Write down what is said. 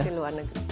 pasti luar negeri